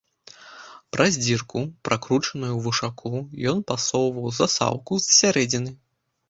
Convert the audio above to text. Праз дзірку, пракручаную ў вушаку, ён пасоўваў засаўку з сярэдзіны.